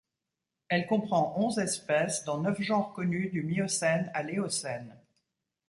Elle comprend onze espèces dans neuf genres connus du Miocène à l'Éocène.